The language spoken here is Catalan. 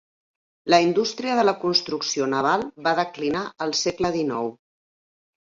La indústria de la construcció naval va declinar al segle XIX.